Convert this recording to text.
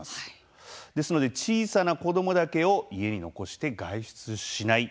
ですので、小さな子どもだけを家に残して外出しない。